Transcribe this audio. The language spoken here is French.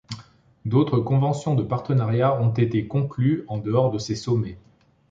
D'autres conventions de partenariat ont été conclus en dehors de ces sommets.